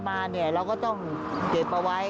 สำรวจที่ได้มาเราก็ต้องเจ็บเอาไว้